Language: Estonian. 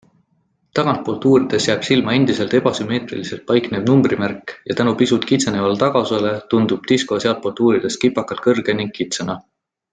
Tagantpoolt uurides jääb silma endiselt ebasümmeetriliselt paiknev numbrimärk ja tänu pisut kitsenevale tagaosale tundub Disco sealtpoolt uurides kipakalt kõrge ning kitsana.